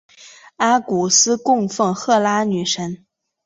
阿古斯供奉赫拉女神。